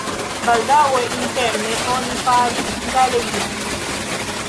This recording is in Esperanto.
Baldaŭe interne oni faris galerion.